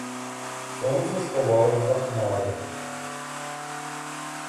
Сонце сховалось за хмари.